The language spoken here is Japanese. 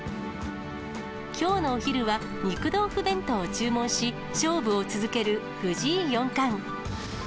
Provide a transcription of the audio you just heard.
きょうのお昼は肉豆腐弁当を注文し、勝負を続ける藤井四冠。